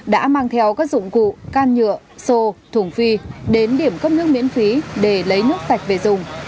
đã mang theo các dụng cụ can nhựa xô thùng phi đến điểm cấp nước miễn phí để lấy nước sạch về dùng